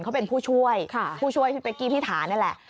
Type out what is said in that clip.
เขาเป็นผู้ช่วยผู้ช่วยพี่เป๊กกี้พิธานี่แหละ